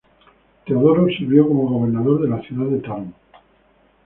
Teodoro sirvió como gobernador de la ciudad de Taron.